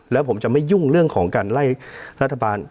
แล้วผมจะไม่ยุ่งเรื่องของการไล่รัฐบาล